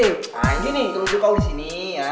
nah ini terutama kau di sini